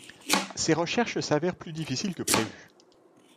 Ses recherches s'avèrent plus difficiles que prévu.